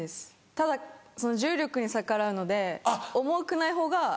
ただ重力に逆らうので重くないほうが。